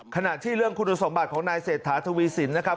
ขณะที่เรื่องคุณสมบัติของนายเศรษฐาทวีสินนะครับ